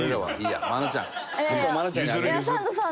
いやサンドさん。